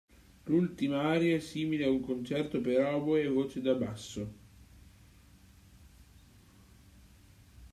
L'ultima aria è simile a un concerto per oboe e voce da basso.